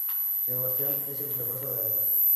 Sebastián es el reverso de Adrián.